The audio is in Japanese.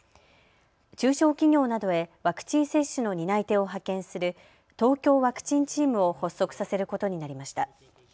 中小企業などへワクチン接種の担い手を派遣する東京ワクチンチームを発足させることになりました。